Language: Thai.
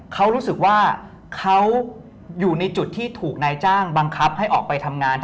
เขารู้สึกว่าเขาอยู่ในจุดที่ถูกนายจ้างบังคับให้ออกไปทำงาน